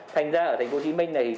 thành ra ở tp hcm này